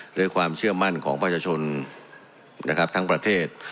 หรือความเชื่อมั่นของประชาชนนะครับทั้งประเทศ